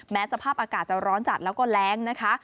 สภาพอากาศจะร้อนจัดแล้วก็แรงนะคะ